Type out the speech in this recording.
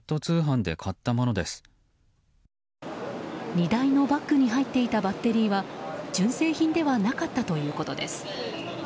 荷台のバッグに入っていたバッテリーは純正品ではなかったということです。